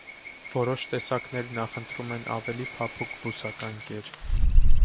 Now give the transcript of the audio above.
Որոշ տեսակներ նախընտրում են ավելի փափուկ բուսական կեր։